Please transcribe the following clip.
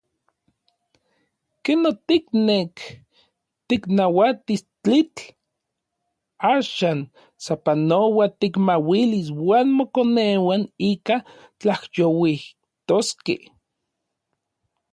Ken otiknek tiknauatis tlitl, axan sapanoa tikmauilis uan mokoneuan ika tlajyouijtoskej.